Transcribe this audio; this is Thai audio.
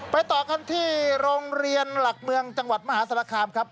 ต่อกันที่โรงเรียนหลักเมืองจังหวัดมหาศาลคามครับ